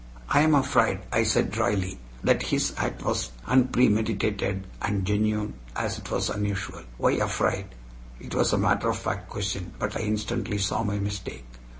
"I am afraid," I said dryly, "that his act was as unpremeditated and genuine as it was unusual." "Why afraid?" It was a matter of fact question, but I instantly saw my mistake.